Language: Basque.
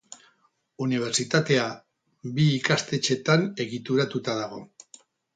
Unibertsitatea bi ikastetxeetan egituratuta dago.